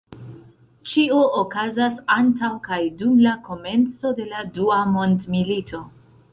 Ĉio okazas antaŭ kaj dum la komenco de la Dua Mondmilito.